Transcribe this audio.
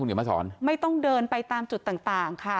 ไม่ต้องเดินไปตามจุดต่างค่ะ